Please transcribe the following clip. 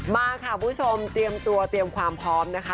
มาค่ะคุณผู้ชมเตรียมตัวเตรียมความพร้อมนะคะ